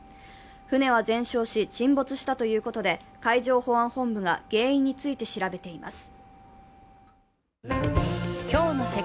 船は全焼し、沈没したということで海上保安本部が原因について調べています。